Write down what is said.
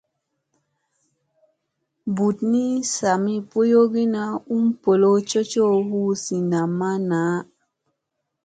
Bunni sami boyogina um bolow coco hu zi namma na.